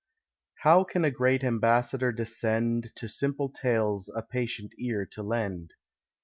How can a great ambassador descend To simple tales a patient ear to lend?